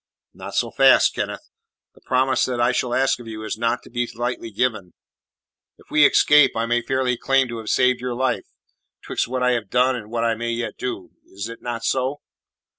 "Not so fast, Kenneth. The promise that I shall ask of you is not to be so lightly given. If we escape I may fairly claim to have saved your life, 'twixt what I have done and what I may yet do. Is it not so?"